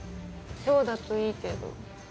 そうだといいけど。